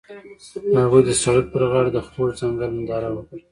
هغوی د سړک پر غاړه د خوږ ځنګل ننداره وکړه.